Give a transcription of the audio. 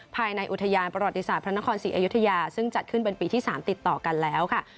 ภายในอุทยานประวัติศาสตร์พระนครศรีอยุธยาซึ่งจัดขึ้นเป็นปีที่๓ติดต่อกันแล้วค่ะ